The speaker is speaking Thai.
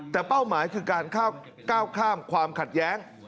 แต่เป้าหมายคือการก้าวข้ามความขัดแย้ง